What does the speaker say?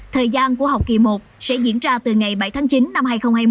thời gian của học kỳ một sẽ diễn ra từ ngày bảy tháng chín năm hai nghìn hai mươi